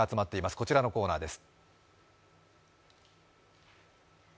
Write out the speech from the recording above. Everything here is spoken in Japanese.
こちらのコーナーです。